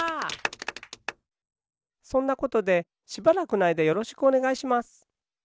そんなことでしばらくのあいだよろしくおねがいします。